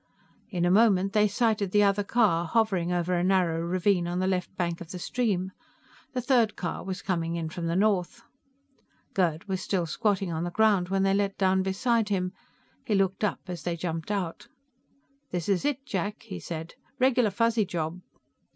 In a moment, they sighted the other car, hovering over a narrow ravine on the left bank of the stream. The third car was coming in from the north. Gerd was still squatting on the ground when they let down beside him. He looked up as they jumped out. "This is it, Jack" he said. "Regular Fuzzy job."